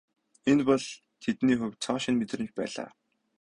Энэ бол тэдний хувьд цоо шинэ мэдрэмж байлаа.